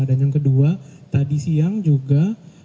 dan yang kedua tadi siang juga